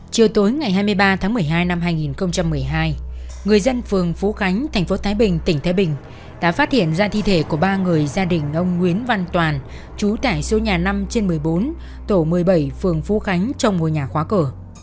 chiều tối ngày hai mươi ba tháng một mươi hai năm hai nghìn một mươi hai người dân phường phú khánh thành phố thái bình tỉnh thái bình đã phát hiện ra thi thể của ba người gia đình ông nguyễn văn toàn trú tại số nhà năm trên một mươi bốn tổ một mươi bảy phường phú khánh trong ngôi nhà khóa cửa